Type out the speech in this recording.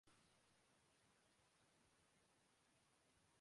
پاکستانی تاجر مراکش میں دستیاب مواقع کا جائزہ لیں مراکشی سفیر